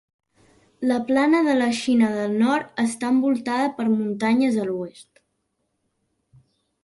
La plana de la Xina del nord està envoltada per muntanyes a l'oest.